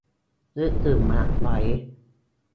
นึกถึงมะไว้